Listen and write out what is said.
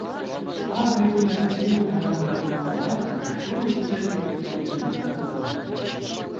Акӑ ӗнтӗ, ачсемӗр, аран-аран уткалать: ыраш улӑм ҫитерсен, ыр выльӑх та ывӑнать.